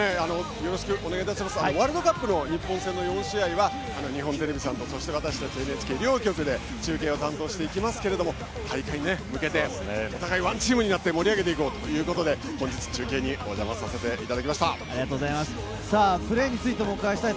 ワールドカップの日本戦の４試合は日本テレビさんと、私達ＮＨＫ両局で中継を担当していきますけれど、大会に向けて、お互いＯＮＥＴＥＡＭになって盛り上げていこうということで、本日、中継にお邪魔させていただきました。